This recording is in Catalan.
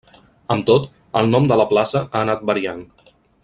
Amb tot, el nom de la plaça ha anat variant.